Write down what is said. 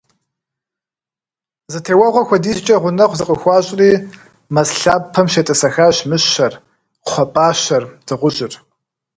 Зы теуэгъуэ хуэдизкӏэ гъунэгъу зыкъыхуащӏри, мэз лъапэм щетӏысэхащ мыщэр, кхъуэпӏащэр, дыгъужьыр.